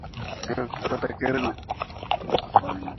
ya sita waokote mara mbili kwani siku ya saba haitanyesha maeneo yoyote